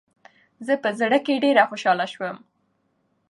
زه په زړه کې ډېره خوشحاله شوم .